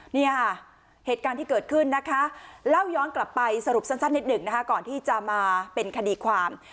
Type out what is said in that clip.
เนี่ยเหตุการณ์ที่เกิดขึ้นนะคะเล่าย้อนกลับไปสรุปสั้นนิดหนึ่งนะคะก่อนที่จะมาเป็นคดีความ